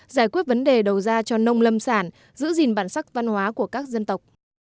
giải quyết vấn đề đầu ra cho nông lâm sản giữ gìn bản sắc văn hóa của các dân tộc